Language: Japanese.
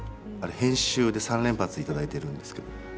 編集で３連発いただいてるんですけど。